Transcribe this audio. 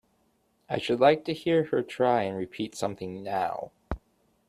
‘I should like to hear her try and repeat something now.